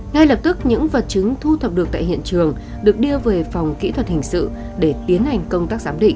ngay lập tức những vật chứng thu thập được tại hiện trường được đưa về phòng kỹ thuật hình sự để tiến hành công tác giám định